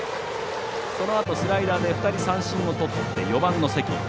そのあと、スライダーで２人三振をとって、４番の関。